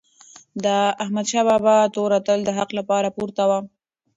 د احمدشاه بابا توره تل د حق لپاره پورته وه.